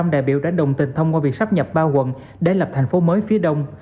một trăm linh đại biểu đã đồng tình thông qua việc sắp nhập ba quận để lập thành phố mới phía đông